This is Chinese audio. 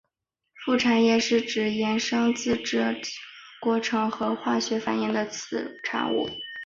副产品是指衍生自制造过程或化学反应的次产物。